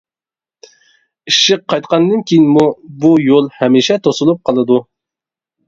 ئىششىق قايتقاندىن كېيىنمۇ بۇ يول ھەمىشە توسۇلۇپ قالىدۇ.